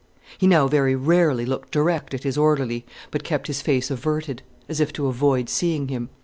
He now very rarely looked direct at his orderly, but kept his face averted, as if to avoid seeing him.